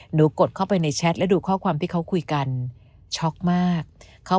กดเข้าไปในแชทและดูข้อความที่เขาคุยกันช็อกมากเขา